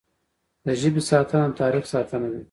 د ژبې ساتنه د تاریخ ساتنه ده.